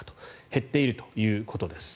減っているということです。